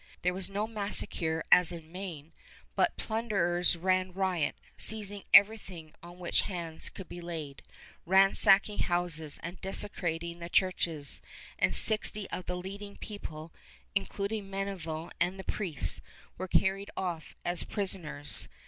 There was no massacre as in Maine, but plunderers ran riot, seizing everything on which hands could be laid, ransacking houses and desecrating the churches; and sixty of the leading people, including Meneval and the priests, were carried off as prisoners.